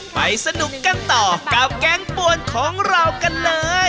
ไปสนุกกันต่อกับแก๊งปวนของเรากันเลย